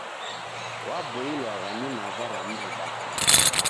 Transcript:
Waboilwagha na maza ra mrudano.